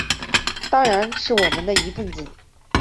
当然是我们的一分子